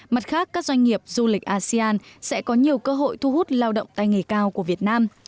mặt khác các doanh nghiệp du lịch asean sẽ có nhiều cơ hội thu hút lao động tay nghề cao của việt nam